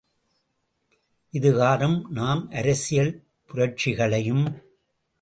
இதுகாறும் நாம் அரசியல் புரட்சிகளையும்.